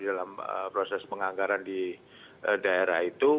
dalam proses penganggaran di daerah itu